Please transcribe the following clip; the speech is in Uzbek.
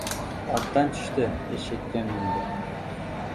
• Otdan tushdi, eshakka mindi.